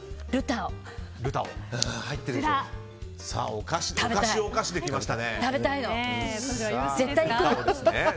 お菓子、お菓子できましたね。